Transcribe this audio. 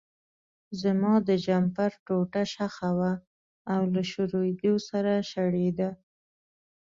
زما د جمپر ټوټه شخه وه او له شورېدو سره شریده.